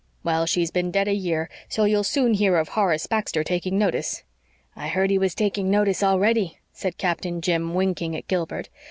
Well, she's been dead a year, so you'll soon hear of Horace Baxter taking notice." "I heard he was taking notice already," said Captain Jim, winking at Gilbert.